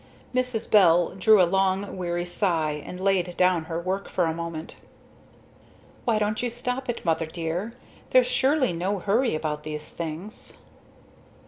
Mrs. Bell drew a long weary sigh, and laid down her work for a moment. "Why don't you stop it Mother dear? There's surely no hurry about these things."